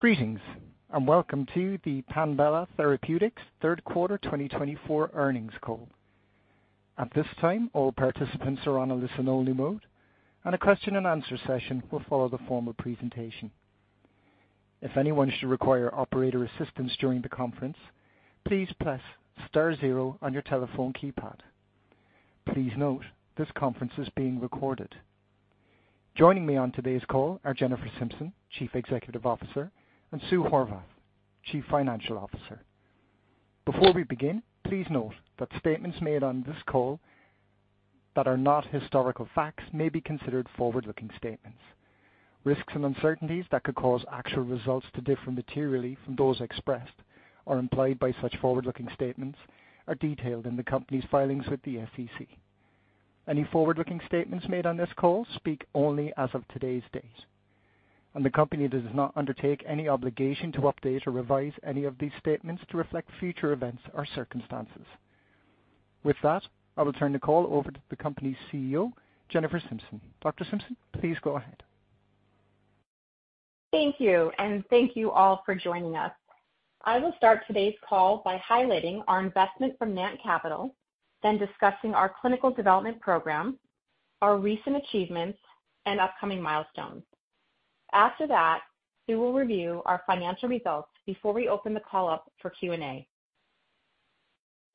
Greetings, and welcome to the Panbela Therapeutics Third Quarter 2024 Earnings Call. At this time, all participants are on a listen-only mode, and a question-and-answer session will follow the formal presentation. If anyone should require operator assistance during the conference, please press star zero on your telephone keypad. Please note this conference is being recorded. Joining me on today's call are Jennifer Simpson, Chief Executive Officer, and Susan Horvath, Chief Financial Officer. Before we begin, please note that statements made on this call that are not historical facts may be considered forward-looking statements. Risks and uncertainties that could cause actual results to differ materially from those expressed or implied by such forward-looking statements are detailed in the company's filings with the SEC. Any forward-looking statements made on this call speak only as of today's date, and the company does not undertake any obligation to update or revise any of these statements to reflect future events or circumstances. With that, I will turn the call over to the company's CEO, Jennifer Simpson. Dr. Simpson, please go ahead. Thank you, and thank you all for joining us. I will start today's call by highlighting our investment from Nant Capital, then discussing our clinical development program, our recent achievements, and upcoming milestones. After that, we will review our financial results before we open the call up for Q&A.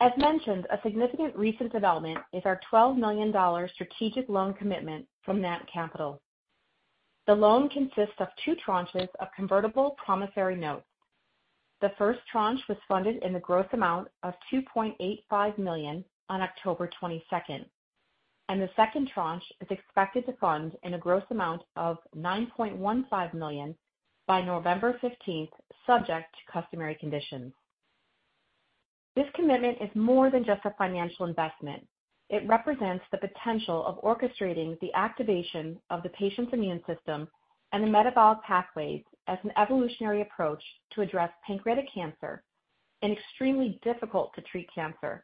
As mentioned, a significant recent development is our $12 million strategic loan commitment from Nant Capital. The loan consists of two tranches of convertible promissory notes. The first tranche was funded in the gross amount of $2.85 million on October 22nd, and the second tranche is expected to fund in a gross amount of $9.15 million by November 15th, subject to customary conditions. This commitment is more than just a financial investment. It represents the potential of orchestrating the activation of the patient's immune system and the metabolic pathways as an evolutionary approach to address pancreatic cancer, an extremely difficult-to-treat cancer.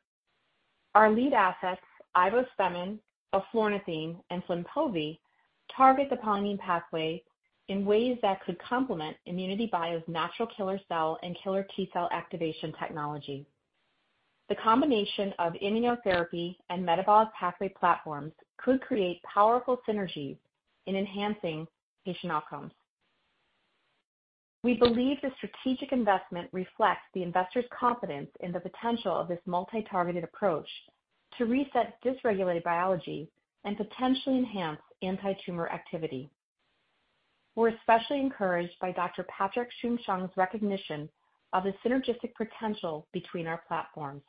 Our lead assets, ivospemin, eflornithine, and Flynpovi, target the polyamine pathway in ways that could complement ImmunityBio's natural killer cell and killer T-cell activation technology. The combination of immunotherapy and metabolic pathway platforms could create powerful synergies in enhancing patient outcomes. We believe the strategic investment reflects the investor's confidence in the potential of this multi-targeted approach to reset dysregulated biology and potentially enhance anti-tumor activity. We're especially encouraged by Dr. Patrick Soon-Shiong's recognition of the synergistic potential between our platforms.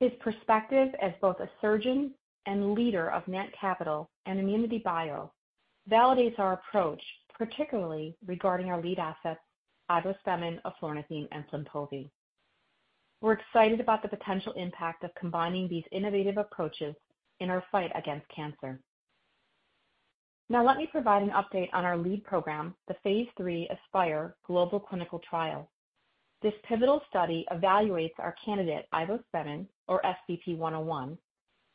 His perspective as both a surgeon and leader of Nant Capital and ImmunityBio validates our approach, particularly regarding our lead assets, ivospemin, eflornithine, and Flynpovi. We're excited about the potential impact of combining these innovative approaches in our fight against cancer. Now, let me provide an update on our lead program, the phase III ASPIRE Global Clinical Trial. This pivotal study evaluates our candidate, ivospemin, or SBP-101,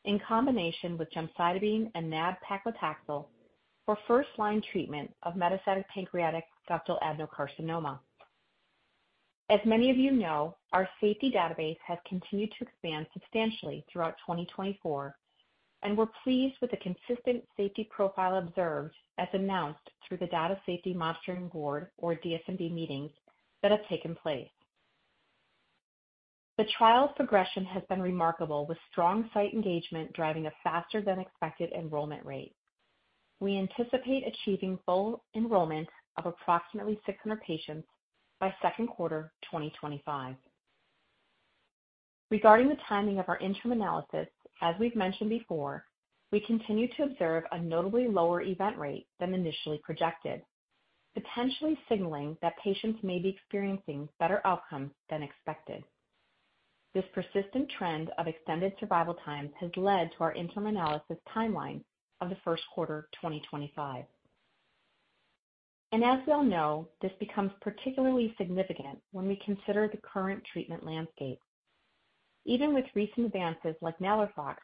in combination with gemcitabine and nab-paclitaxel for first-line treatment of metastatic pancreatic ductal adenocarcinoma. As many of you know, our safety database has continued to expand substantially throughout 2024, and we're pleased with the consistent safety profile observed, as announced through the Data Safety Monitoring Board, or DSMB, meetings that have taken place. The trial's progression has been remarkable, with strong site engagement driving a faster-than-expected enrollment rate. We anticipate achieving full enrollment of approximately 600 patients by second quarter 2025. Regarding the timing of our interim analysis, as we've mentioned before, we continue to observe a notably lower event rate than initially projected, potentially signaling that patients may be experiencing better outcomes than expected. This persistent trend of extended survival times has led to our interim analysis timeline of the first quarter 2025. As we all know, this becomes particularly significant when we consider the current treatment landscape. Even with recent advances like NALIRIFOX,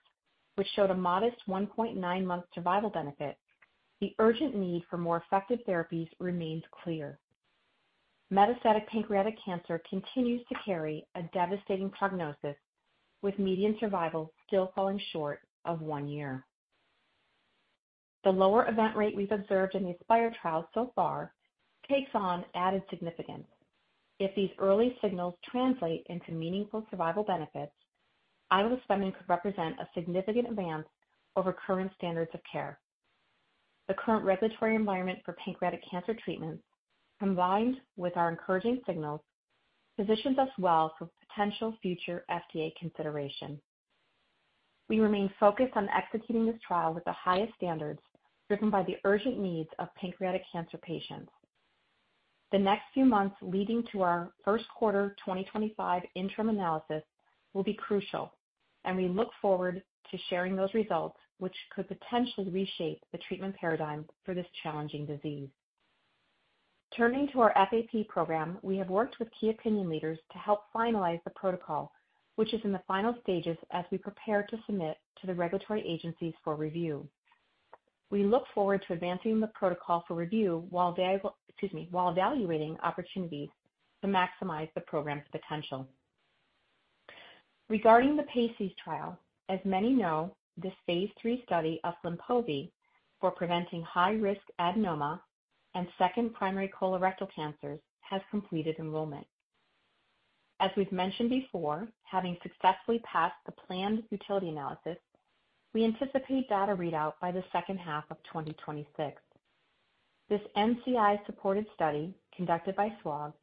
which showed a modest 1.9-month survival benefit, the urgent need for more effective therapies remains clear. Metastatic pancreatic cancer continues to carry a devastating prognosis, with median survival still falling short of one year. The lower event rate we've observed in the ASPIRE trial so far takes on added significance. If these early signals translate into meaningful survival benefits, ivospemin could represent a significant advance over current standards of care. The current regulatory environment for pancreatic cancer treatments, combined with our encouraging signals, positions us well for potential future FDA consideration. We remain focused on executing this trial with the highest standards, driven by the urgent needs of pancreatic cancer patients. The next few months leading to our first quarter 2025 interim analysis will be crucial, and we look forward to sharing those results, which could potentially reshape the treatment paradigm for this challenging disease. Turning to our FAP program, we have worked with key opinion leaders to help finalize the protocol, which is in the final stages as we prepare to submit to the regulatory agencies for review. We look forward to advancing the protocol for review while evaluating opportunities to maximize the program's potential. Regarding the PACES trial, as many know, this phase III study of Flynpovi for preventing high-risk adenoma and second primary colorectal cancers has completed enrollment. As we've mentioned before, having successfully passed the planned utility analysis, we anticipate data readout by the second half of 2026. This NCI-supported study, conducted by SWOG,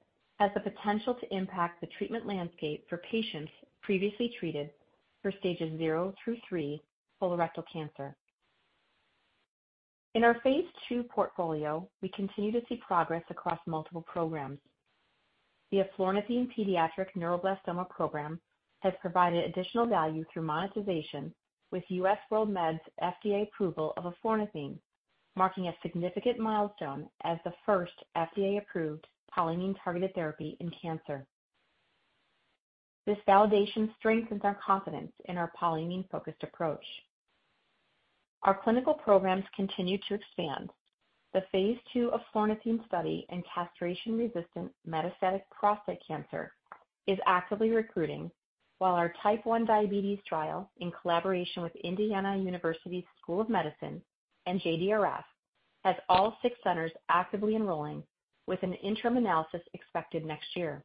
has the potential to impact the treatment landscape for patients previously treated for stages 0 through 3 colorectal cancer. In our phase II portfolio, we continue to see progress across multiple programs. The eflornithine pediatric neuroblastoma program has provided additional value through monetization, with U.S. WorldMeds's FDA approval of eflornithine, marking a significant milestone as the first FDA-approved polyamine-targeted therapy in cancer. This validation strengthens our confidence in our polyamine-focused approach. Our clinical programs continue to expand. The phase II eflornithine study in castration-resistant metastatic prostate cancer is actively recruiting, while our Type 1 diabetes trial, in collaboration with Indiana University School of Medicine and JDRF, has all six centers actively enrolling, with an interim analysis expected next year.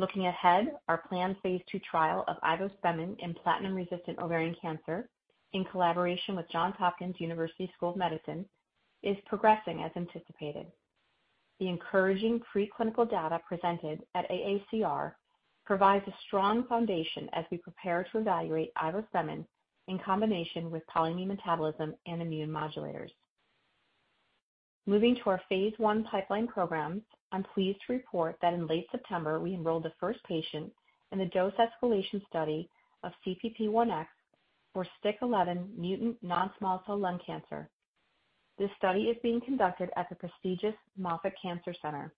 Looking ahead, our planned phase II trial of ivospemin in platinum-resistant ovarian cancer, in collaboration with Johns Hopkins University School of Medicine, is progressing as anticipated. The encouraging preclinical data presented at AACR provides a strong foundation as we prepare to evaluate ivospemin in combination with polyamine metabolism and immune modulators. Moving to our phase I pipeline program, I'm pleased to report that in late September, we enrolled the first patient in the dose escalation study of CPP-1X for STK11 mutant non-small cell lung cancer. This study is being conducted at the prestigious Moffitt Cancer Center.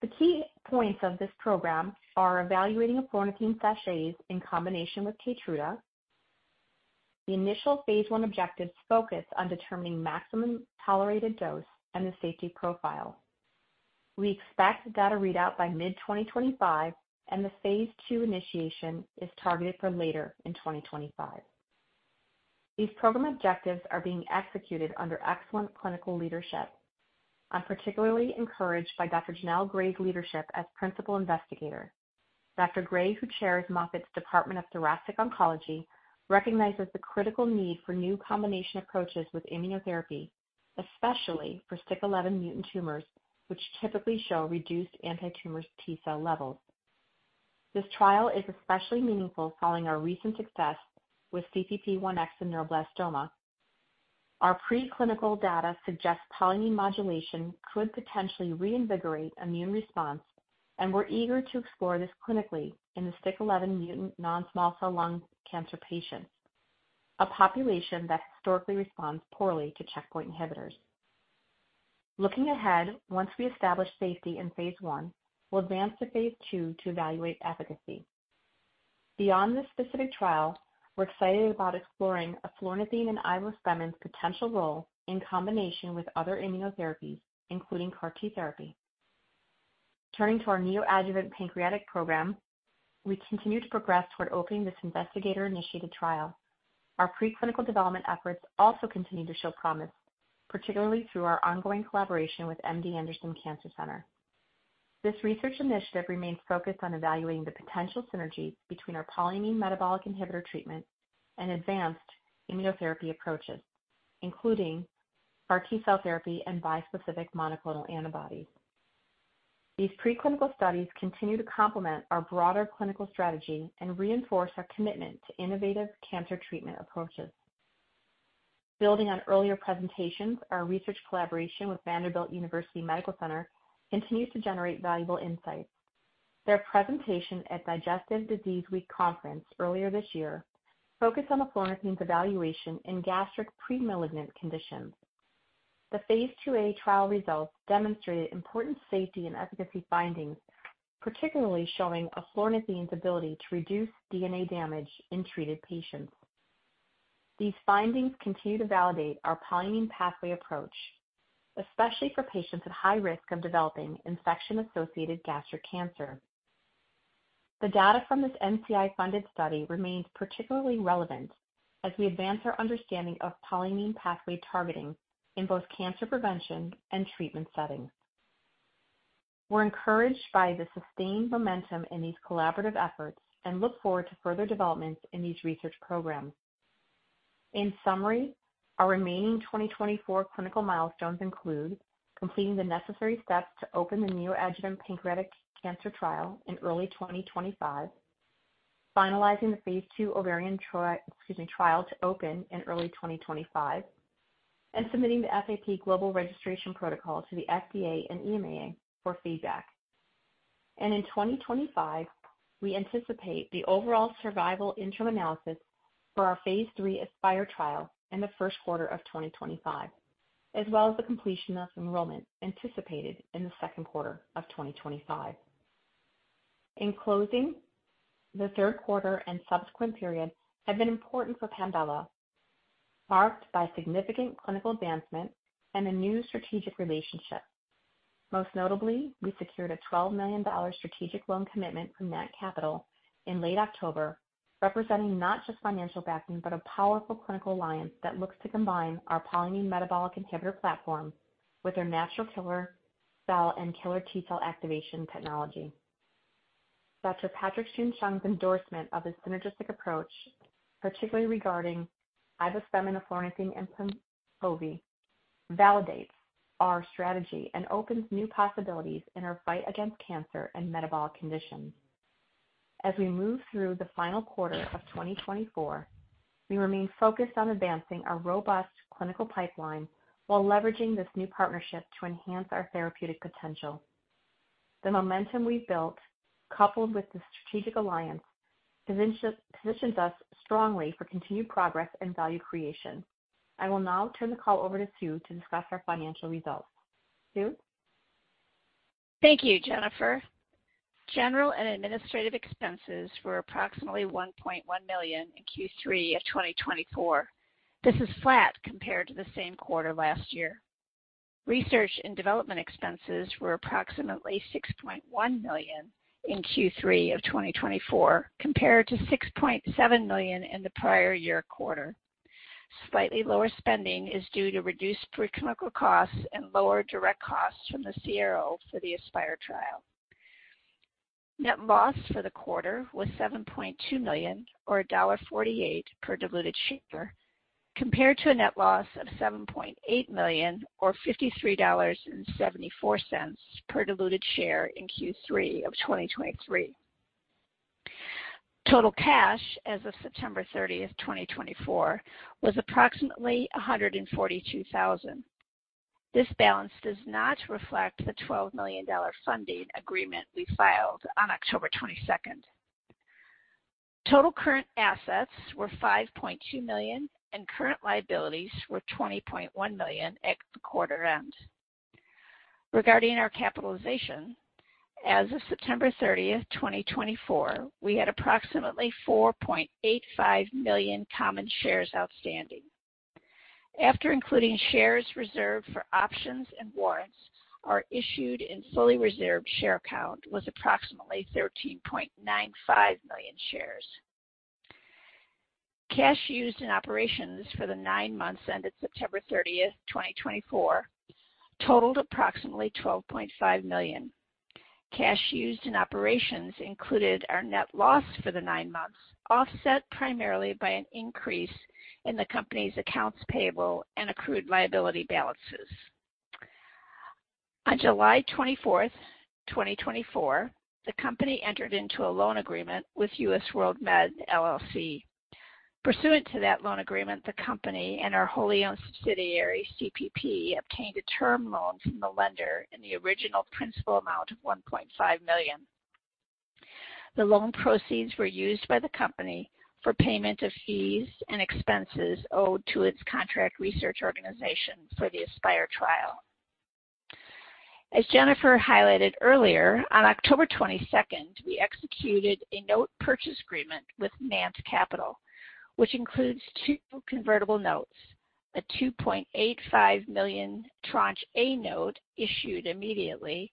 The key points of this program are evaluating eflornithine sachets in combination with Keytruda. The initial phase I objectives focus on determining maximum tolerated dose and the safety profile. We expect data readout by mid-2025, and the phase II initiation is targeted for later in 2025. These program objectives are being executed under excellent clinical leadership. I'm particularly encouraged by Dr. Jhanelle Gray's leadership as principal investigator. Dr. Gray, who chairs Moffitt's Department of Thoracic Oncology, recognizes the critical need for new combination approaches with immunotherapy, especially for STK11 mutant tumors, which typically show reduced anti-tumor T-cell levels. This trial is especially meaningful following our recent success with CPP-1X and neuroblastoma. Our preclinical data suggests polyamine modulation could potentially reinvigorate immune response, and we're eager to explore this clinically in the STK11 mutant non-small cell lung cancer patients, a population that historically responds poorly to checkpoint inhibitors. Looking ahead, once we establish safety in phase I, we'll advance to phase II to evaluate efficacy. Beyond this specific trial, we're excited about exploring eflornithine and ivospemin's potential role in combination with other immunotherapies, including CAR T therapy. Turning to our neoadjuvant pancreatic program, we continue to progress toward opening this investigator-initiated trial. Our preclinical development efforts also continue to show promise, particularly through our ongoing collaboration with MD Anderson Cancer Center. This research initiative remains focused on evaluating the potential synergies between our polyamine metabolic inhibitor treatment and advanced immunotherapy approaches, including CAR T-cell therapy and bispecific monoclonal antibodies. These preclinical studies continue to complement our broader clinical strategy and reinforce our commitment to innovative cancer treatment approaches. Building on earlier presentations, our research collaboration with Vanderbilt University Medical Center continues to generate valuable insights. Their presentation at Digestive Disease Week conference earlier this year focused on eflornithine's evaluation in gastric premalignant conditions. The phase II-A trial results demonstrated important safety and efficacy findings, particularly showing eflornithine's ability to reduce DNA damage in treated patients. These findings continue to validate our polyamine pathway approach, especially for patients at high risk of developing infection-associated gastric cancer. The data from this NCI-funded study remains particularly relevant as we advance our understanding of polyamine pathway targeting in both cancer prevention and treatment settings. We're encouraged by the sustained momentum in these collaborative efforts and look forward to further developments in these research programs. In summary, our remaining 2024 clinical milestones include completing the necessary steps to open the neoadjuvant pancreatic cancer trial in early 2025, finalizing the phase II ovarian trial to open in early 2025, and submitting the FAP Global Registration Protocol to the FDA and EMA for feedback, and in 2025, we anticipate the overall survival interim analysis for our phase III ASPIRE trial in the first quarter of 2025, as well as the completion of enrollment anticipated in the second quarter of 2025. In closing, the third quarter and subsequent period have been important for Panbela, marked by significant clinical advancement and a new strategic relationship. Most notably, we secured a $12 million strategic loan commitment from Nant Capital in late October, representing not just financial backing, but a powerful clinical alliance that looks to combine our polyamine metabolic inhibitor platform with our natural killer cell and killer T-cell activation technology. Dr. Patrick Soon-Shiong's endorsement of his synergistic approach, particularly regarding ivospemin, eflornithine, and Flynpovi, validates our strategy and opens new possibilities in our fight against cancer and metabolic conditions. As we move through the final quarter of 2024, we remain focused on advancing our robust clinical pipeline while leveraging this new partnership to enhance our therapeutic potential. The momentum we've built, coupled with the strategic alliance, positions us strongly for continued progress and value creation. I will now turn the call over to Susan to discuss our financial results. Sue? Thank you, Jennifer. General and administrative expenses were approximately $1.1 million in Q3 of 2024. This is flat compared to the same quarter last year. Research and development expenses were approximately $6.1 million in Q3 of 2024, compared to $6.7 million in the prior year quarter. Slightly lower spending is due to reduced preclinical costs and lower direct costs from the CRO for the ASPIRE trial. Net loss for the quarter was $7.2 million, or $1.48 per diluted share, compared to a net loss of $7.8 million, or $53.74 per diluted share in Q3 of 2023. Total cash as of September 30, 2024, was approximately $142,000. This balance does not reflect the $12 million funding agreement we filed on October 22. Total current assets were $5.2 million, and current liabilities were $20.1 million at the quarter end. Regarding our capitalization, as of September 30, 2024, we had approximately 4.85 million common shares outstanding. After including shares reserved for options and warrants if issued in fully diluted share account, it was approximately 13.95 million shares. Cash used in operations for the nine months ended September 30, 2024, totaled approximately $12.5 million. Cash used in operations included our net loss for the nine months, offset primarily by an increase in the company's accounts payable and accrued liability balances. On July 24, 2024, the company entered into a loan agreement with U.S. WorldMeds, LLC. Pursuant to that loan agreement, the company and our wholly owned subsidiary, CPP, obtained a term loan from the lender in the original principal amount of $1.5 million. The loan proceeds were used by the company for payment of fees and expenses owed to its contract research organization for the ASPIRE trial. As Jennifer highlighted earlier, on October 22, we executed a note purchase agreement with Nant Capital, which includes two convertible notes, a $2.85 million tranche A note issued immediately,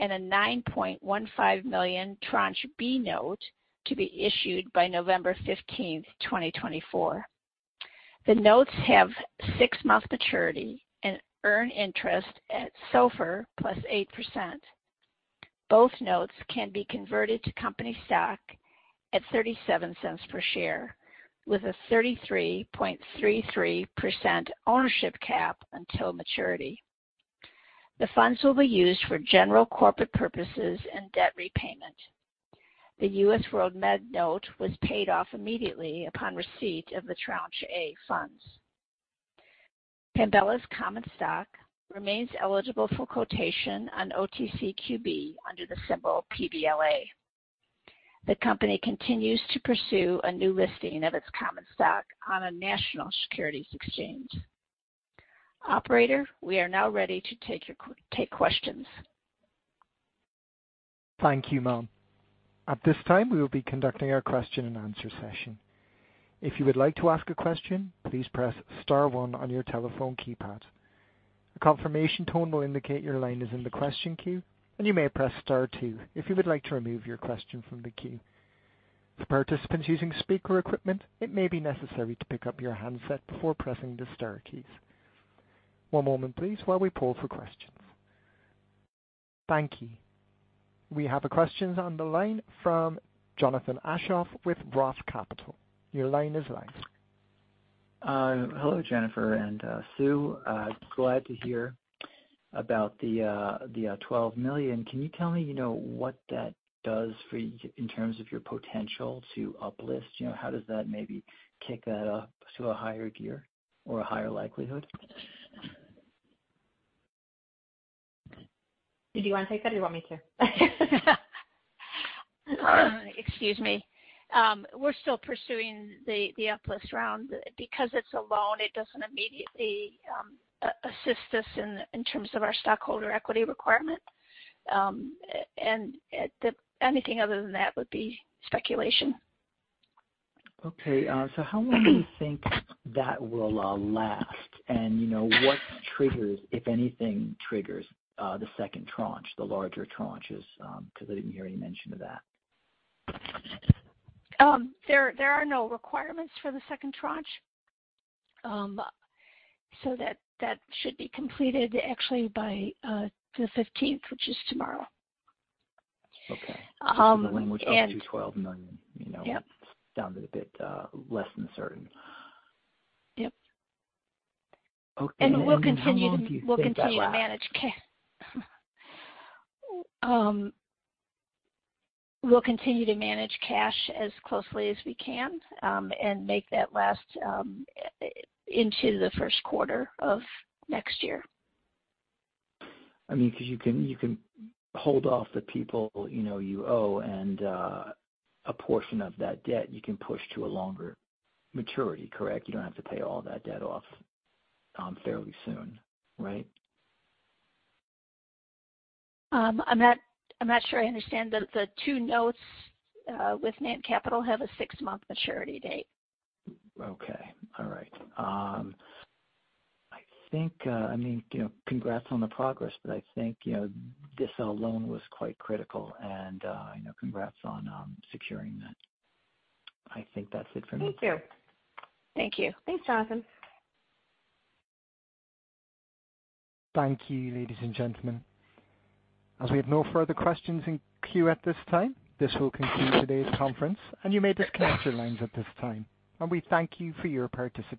and a $9.15 million tranche B note to be issued by November 15, 2024. The notes have six-month maturity and earn interest at SOFR plus 8%. Both notes can be converted to company stock at $0.37 per share, with a 33.33% ownership cap until maturity. The funds will be used for general corporate purposes and debt repayment. The U.S. WorldMeds note was paid off immediately upon receipt of the tranche A funds. Panbela's common stock remains eligible for quotation on OTCQB under the symbol PBLA. The company continues to pursue a new listing of its common stock on a national securities exchange. Operator, we are now ready to take questions. Thank you, ma'am. At this time, we will be conducting our question-and-answer session. If you would like to ask a question, please press Star one on your telephone keypad. A confirmation tone will indicate your line is in the question queue, and you may press Star two if you would like to remove your question from the queue. For participants using speaker equipment, it may be necessary to pick up your handset before pressing the Star keys. One moment, please, while we pull for questions. Thank you. We have a question on the line from Jonathan Aschoff with Roth Capital. Your line is live. Hello, Jennifer and Sue. Glad to hear about the $12 million. Can you tell me what that does in terms of your potential to uplist? How does that maybe kick that up to a higher gear or a higher likelihood? Did you want to take that, or do you want me to? Excuse me. We're still pursuing the uplist round. Because it's a loan, it doesn't immediately assist us in terms of our stockholder equity requirement. And anything other than that would be speculation. Okay. So how long do you think that will last? And what triggers, if anything, triggers the second tranche, the larger tranches? Because I didn't hear any mention of that. There are no requirements for the second tranche, so that should be completed actually by the 15th, which is tomorrow. Okay. So the language up to $12 million sounded a bit less than certain. Yep. Okay. And we'll continue to manage cash. We'll continue to manage cash as closely as we can and make that last into the first quarter of next year. I mean, because you can hold off the people you owe, and a portion of that debt you can push to a longer maturity, correct? You don't have to pay all that debt off fairly soon, right? I'm not sure I understand. The two notes with Nant Capital have a six-month maturity date. Okay. All right. I mean, congrats on the progress, but I think this alone was quite critical, and congrats on securing that. I think that's it for me. Thank you. Thank you. Thanks, Jonathan. Thank you, ladies and gentlemen. As we have no further questions in queue at this time, this will conclude today's conference, and you may disconnect your lines at this time, and we thank you for your participation.